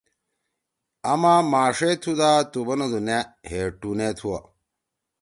آما ماݜے تُھو دا تُو بنَدُو نأ، ہے ٹونے تُھو۔